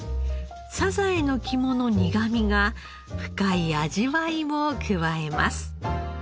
サザエの肝の苦みが深い味わいを加えます。